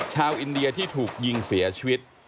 ชาวอินเดียที่ถูกยิงเสียชีวิต